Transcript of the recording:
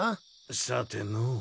さてのう。